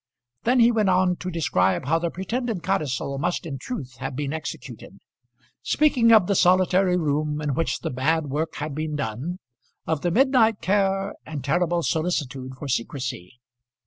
Then he went on to describe how the pretended codicil must in truth have been executed speaking of the solitary room in which the bad work had been done, of the midnight care and terrible solicitude for secrecy.